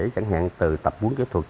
chẳng hạn từ tập quấn kỹ thuật